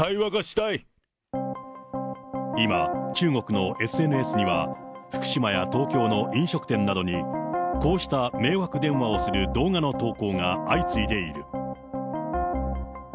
今、中国のＳＮＳには、福島や東京の飲食店などにこうした迷惑電話をする動画の投稿が相次いでいる。